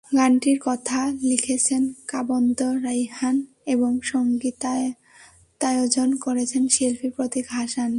গানটির কথা লিখেছেন কাবন্দ রাইহান এবং সংগীতায়োজন করেছেন শিল্পী প্রতীক হাসান।